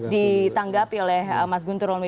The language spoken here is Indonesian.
ditanggapi oleh mas guntur romi